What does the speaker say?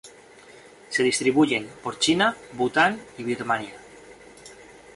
Se distribuyen por China, Bhutan y Birmania.